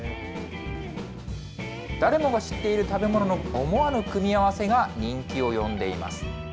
誰もが知っている食べ物の思わぬ組み合わせが人気を呼んでいます。